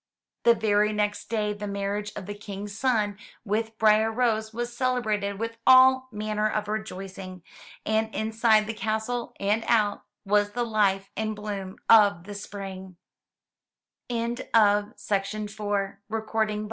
The very next day the marriage of the King's son with Briar rose was celebrated with all manner of rejoicing, and inside the castle and out was the life and bloom of the spring.